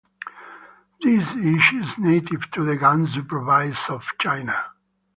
This dish is native to the Gansu province of China.